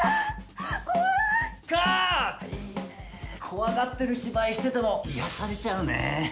怖がってる芝居してても癒やされちゃうねえ。